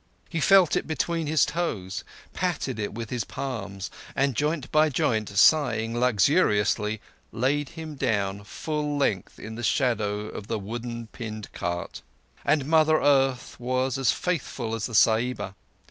He felt it between his toes, patted it with his palms, and joint by joint, sighing luxuriously, laid him down full length along in the shadow of the wooden pinned cart. And Mother Earth was as faithful as the Sahiba.